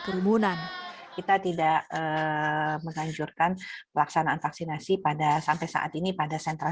kerumunan kita tidak menganjurkan pelaksanaan vaksinasi pada sampai saat ini pada sentra